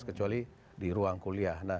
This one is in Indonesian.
kecuali di ruang kuliah